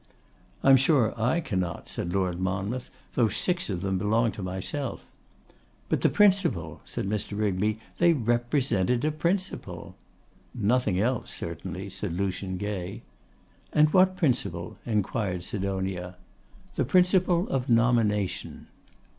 'I am sure I cannot, 'said Lord Monmouth, 'though six of them belong to myself.' 'But the principle,' said Mr. Rigby; 'they represented a principle.' 'Nothing else, certainly,' said Lucian Gay. 'And what principle?' inquired Sidonia. 'The principle of nomination.